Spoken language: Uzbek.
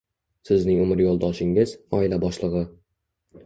Sizning umr yo‘ldoshingiz – oila boshlig‘i.